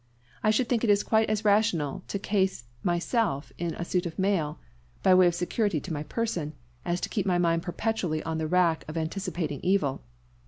I should think it quite as rational to case myself in a suit of mail, by way of security to my person, as to keep my mind perpetually on the rack of anticipating evil.